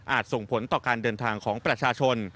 ส่งผลต่อการเดินทางของประชาชน